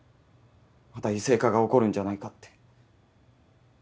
また異性化が起こるんじゃないかって。